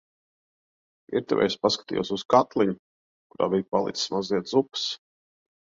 Virtuvē es paskatījos uz katliņu, kurā bija palicis mazliet zupas.